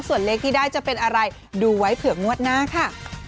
ส่วนเลขที่ได้จะเป็นอะไรดูไว้เผื่องวดหน้าค่ะ